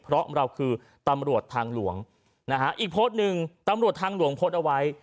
เพราะเราคือตำรวจทางหลวงนะฮะอีกโพสต์หนึ่งตำรวจทางหลวงโพสต์เอาไว้